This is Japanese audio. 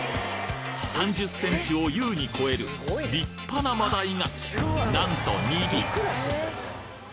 ３０センチを優に超える立派な真鯛がなんと２尾！